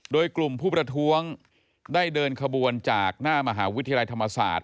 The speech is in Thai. โดยกลุ่มผู้ประท้วงได้เดินขบวนจากหน้ามหาวิทยาลัยธรรมศาสตร์